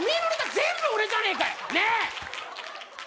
全部俺じゃねえかよねえっ